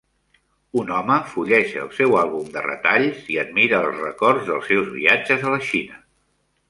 Un home fulleja el seu àlbum de retalls i admira els records dels seus viatges a la Xina.